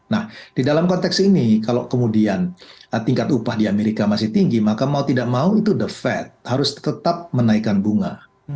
nah di dalam konteks ini kalau kemudian tingkat upah di amerika masih tinggi maka mau tidak mau itu the fed harus tetap menaikkan bunga